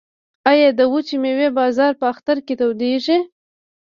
آیا د وچې میوې بازار په اختر کې تودیږي؟